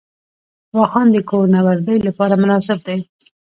واخان د کوه نوردۍ لپاره مناسب دی